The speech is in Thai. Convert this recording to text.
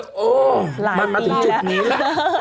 เออมาถึงจุดนี้ละ